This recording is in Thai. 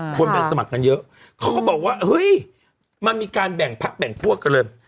คนสมัครกันเยอะเขาก็บอกว่ามันมีการแบ่งพรรพ์กันเลย